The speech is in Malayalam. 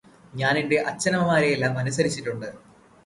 ഞാനെന്റെ അച്ഛനമ്മമാരെയെല്ലാം അനുസരിചിട്ടുണ്ട്